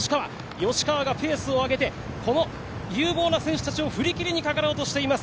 吉川がペースを上げてこの有望な選手たちを振り切りにかかろうとしています。